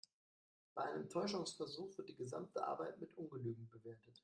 Bei einem Täuschungsversuch wird die gesamte Arbeit mit ungenügend bewertet.